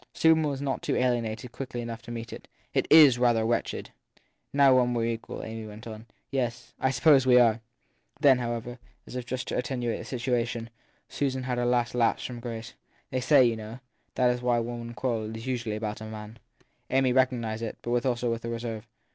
Susan was not too alienated quickly enough to meet it. It is rather wretched. 7 ( Now when we re equal/ Amy went on. Yes I suppose we are. Then, however, as if just to attenuate the admission, Susan had her last lapse from grace. t They say, you know, that when women do quarrel it s usually about a man. 7 Amy recognised it, but also with a reserve.